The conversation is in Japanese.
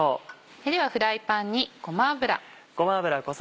それではフライパンにごま油。